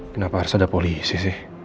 kenapa harus ada polisi sih